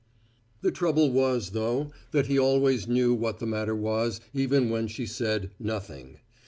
The trouble was, though, that he always knew what the matter was, even when she said "Nothing."